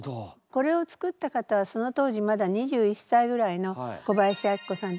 これを作った方はその当時まだ２１さいぐらいの小林明子さん。